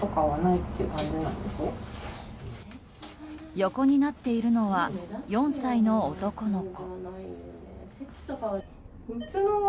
横になっているのは４歳の男の子。